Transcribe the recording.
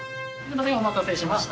お待たせしました。